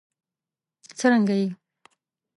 څرنګه یې؟